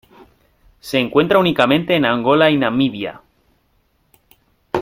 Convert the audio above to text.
Se encuentra únicamente en Angola y Namibia.